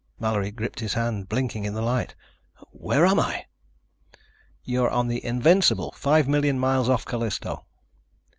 Mallory gripped his hand, blinking in the light. "Where am I?" "You are on the Invincible, five million miles off Callisto."